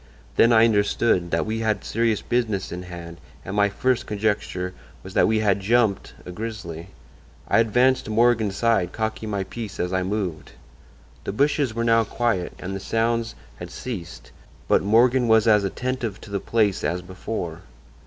Then I understood that we had serious business in hand and my first conjecture was that we had 'jumped' a grizzly. I advanced to Morgan's side, cocking my piece as I moved. "The bushes were now quiet and the sounds had ceased, but Morgan was as attentive to the place as before.